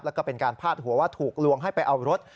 แล้วก็เป็นการพาดหัวว่าถูกลวงให้ไปเอารถ